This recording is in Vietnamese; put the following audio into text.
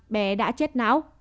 bé đã chết não